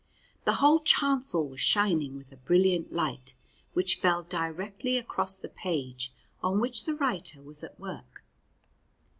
The whole chancel was shining with a brilliant light which fell directly across the page on which the writer was at work.